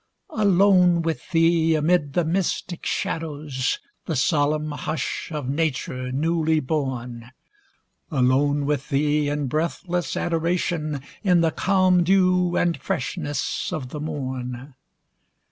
Alone with Thee, amid the mystic shadows, The solemn hush of nature newly born; Alone with Thee in breathless adoration, In the calm dew and freshness of the morn.